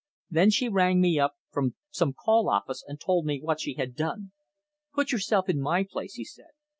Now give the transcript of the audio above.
Then she rang me up from some call office and told me what she had done. Put yourself in my place," he said.